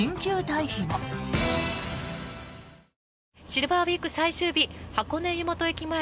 シルバーウィーク最終日箱根湯本駅前